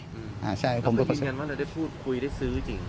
แล้วพี่ยืนยันว่าได้พูดคุยได้ซื้อจริง